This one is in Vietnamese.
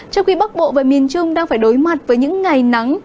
trong khi bắc bộ và miền trung đang phải đối mặt với những ngày nắng